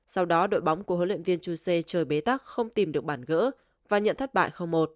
sau đó đội bóng của huấn luyện viên chuse trời bế tắc không tìm được bản gỡ và nhận thất bại một